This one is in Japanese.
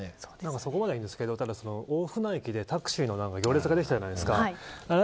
そこまではいいですけどただ大船駅でタクシーの行列ができたじゃないですか。